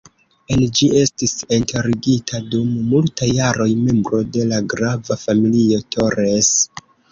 En ĝi estis enterigita dum multaj jaroj membro de la grava familio "Torres".